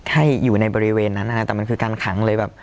ให้อยู่ในบริเวณนั้นนะครับแต่มันคือการขังเลยแบบ